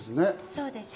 そうです。